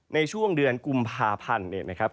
ในช่วงเดือนกุมภาพันธ์เนี่ยนะครับ